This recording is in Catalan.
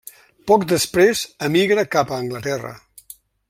Poc després, emigra cap a Anglaterra.